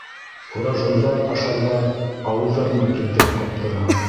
Фуражерҙар ашарға ауыҙҙарына килтереп ҡаптыра.